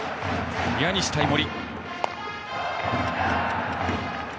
宮西対森。